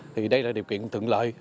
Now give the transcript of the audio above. thì đây là điều kiện thượng lợi